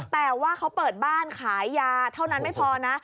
แต่ว่าเขาเปิดบ้านขายยาเท่านั้นไม่พอนะ